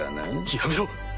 やめろ！